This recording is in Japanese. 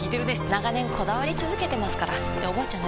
長年こだわり続けてますからっておばあちゃん